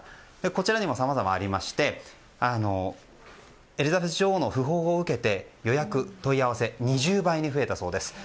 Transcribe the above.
こちらにも、さまざまありましてエリザベス女王の訃報を受けて予約、問い合わせ２０倍に増えたそうです。